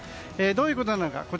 どういうことなのか。